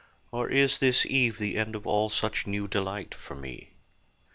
Or is this eve the end of all Such new delight for me?